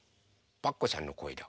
パクこさんのこえだ。